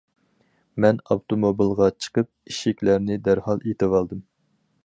مەن ئاپتوموبىلغا چىقىپ ئىشىكلەرنى دەرھال ئېتىۋالدىم.